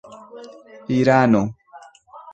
irano